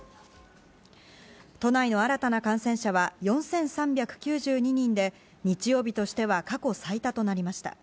都内の新たな感染者は４３９２人で日曜日としては過去最多となりました。